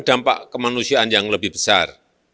dampak kemanusiaan yang lebih besar